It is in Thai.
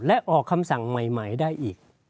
และออกคำสั่งใหม่ได้อีก